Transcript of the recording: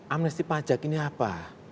amnesti pajak ini apa